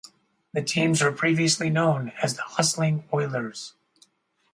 The teams were previously known as the Hustling Oilers.